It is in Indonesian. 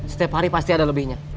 setiap hari pasti ada lebihnya